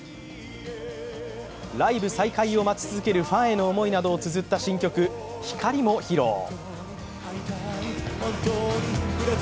ライブ再開を待ち続けるファンヘの思いなどをつづった新曲「光」も披露。